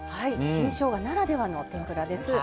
新しょうがならではの天ぷらです。